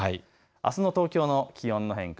あすの東京の気温の変化